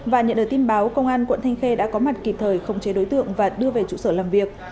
và nhận được tin báo công an quận thanh khê đã có mặt kịp thời khống chế đối tượng và đưa về trụ sở làm việc